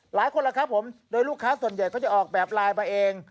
หลายคนแล้วครับผมโดยลูกค้าส่วนใหญ่เขาจะออกแบบไลน์มาเอง